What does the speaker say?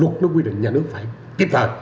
luật nó quy định nhà nước phải kịp thời